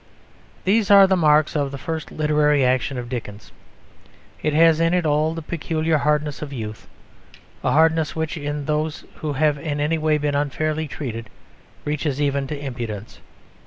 These are the marks of the first literary action of Dickens. It has in it all the peculiar hardness of youth; a hardness which in those who have in any way been unfairly treated reaches even to impudence.